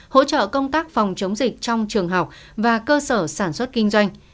hỗ trợ công tác phòng chống dịch trong trường học và cơ sở sản xuất kinh doanh